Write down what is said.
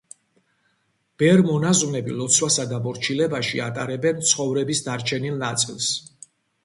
ბერ-მონაზვნები ლოცვასა და მორჩილებაში ატარებენ ცხოვრების დარჩენილ ნაწილს.